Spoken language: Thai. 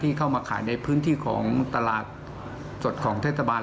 เข้ามาขายในพื้นที่ของตลาดสดของเทศบาล